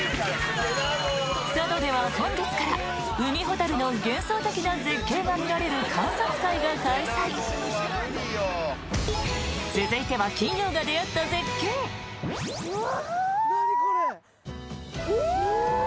佐渡では本日からウミホタルの幻想的な絶景が見られる観察会が開催続いては金曜が出会った絶景・うわ！